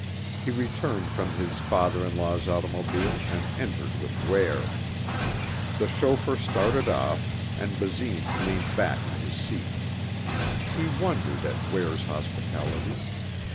He returned from his father in law's automobile and entered with Ware. The chauffeur started off and Basine leaned back in his seat. He wondered at Ware's hospitality.